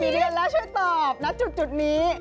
กี่เดือนแล้วช่วยตอบนะจุดนี้